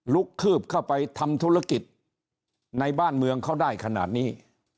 คืบเข้าไปทำธุรกิจในบ้านเมืองเขาได้ขนาดนี้